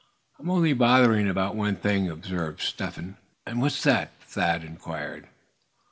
"I'm only bothering about one thing," observed Step Hen. "And what's that?" Thad inquired.